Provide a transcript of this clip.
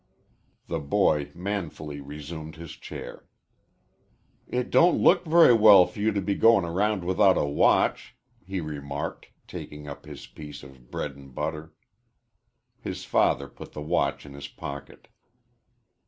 The boy manfully resumed his chair. "It don't look very well for you to be going around without a watch," he remarked, taking up his piece of bread and butter. His father put the watch in his pocket.